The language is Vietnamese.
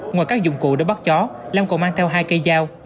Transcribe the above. ngoài các dụng cụ đã bắt chó lam còn mang theo hai cây dao